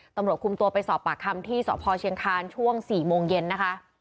ตำรวจคุมตัวไปสอบปากคำที่สพเชียงคานช่วง๔โมงเย็นนะคะ